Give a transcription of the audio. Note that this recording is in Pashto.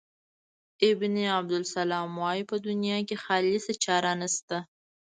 ابن عبدالسلام وايي په دنیا کې خالصه چاره نشته.